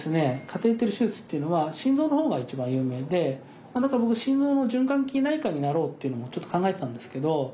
カテーテル手術っていうのは心臓の方が一番有名で心臓の循環器内科医になろうっていうのもちょっと考えてたんですけど